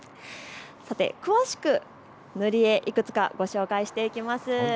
詳しく塗り絵をいくつか紹介していきます。